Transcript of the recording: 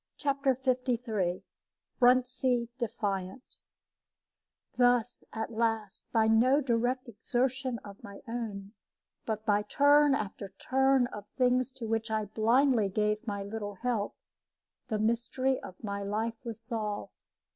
CHAPTER LIII BRUNTSEA DEFIANT Thus at last by no direct exertion of my own, but by turn after turn of things to which I blindly gave my little help the mystery of my life was solved.